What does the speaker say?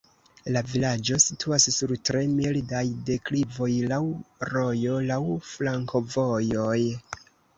La vilaĝo situas sur tre mildaj deklivoj, laŭ rojo, laŭ flankovojoj.